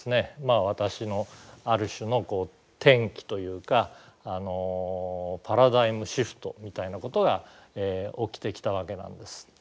私のある種の転機というかパラダイムシフトみたいなことが起きてきたわけなんです。